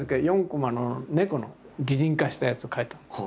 ４コマの猫の擬人化したやつを描いた。